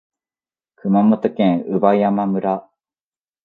熊本県産山村